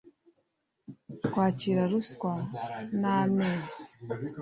kwakira ruswa n amezi